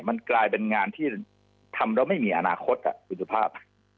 มันกลายเป็นงานที่ทำแล้วไม่มีอนาคตคุณสุภาพ